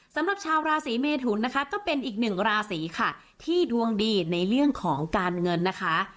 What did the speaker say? สำหรับชาวราศีเมทุนนะคะก็เป็นอีกหนึ่งราศีค่ะที่ดวงดีในเรื่องของการเงินนะคะ